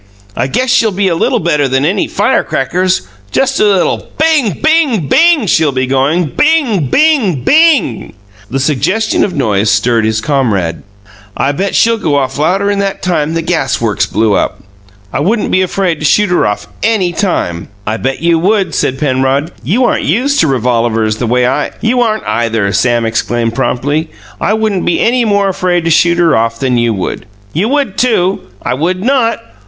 I guess she'll be a little better than any firecrackers! Just a little 'Bing!' Bing! Bing!' she'll be goin'. 'Bing! Bing! Bing!'" The suggestion of noise stirred his comrade. "I'll bet she'll go off louder'n that time the gas works blew up! I wouldn't be afraid to shoot her off ANY time." "I bet you would," said Penrod. "You aren't used to revolavers the way I " "You aren't, either!" Sam exclaimed promptly, "I wouldn't be any more afraid to shoot her off than you would." "You would, too!" "I would not!"